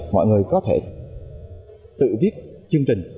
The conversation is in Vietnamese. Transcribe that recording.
mọi người có thể tự viết chương trình